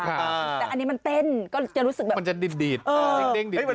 อ่าอันนี้มันเต็นก็จะรู้สึกอืมมันจะดีดดีดเออดิงดีดดิด